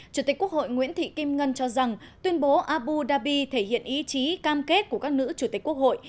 chủ tịch quốc hội nguyễn thị kim ngân cho rằng tuyên bố abu dhabi thể hiện ý chí cam kết của các nữ chủ tịch quốc hội